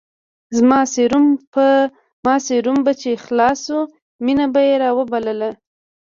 زما سيروم به چې خلاص سو مينه به يې راوبلله.